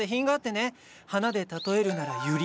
花で例えるならユリ！